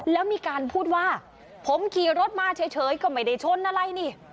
แล้วมีการพูดว่าผมขี่รถมาเฉยก็ไม่ได้ชนอะไรนี่